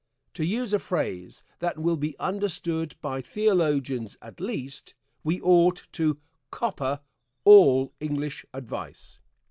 To use a phrase that will be understood by theologians at least, we ought to "copper" all English advice.